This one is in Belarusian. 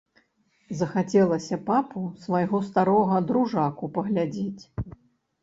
Захацелася папу свайго старога дружаку паглядзець.